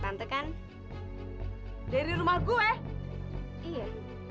tante kan dari rumah gue iya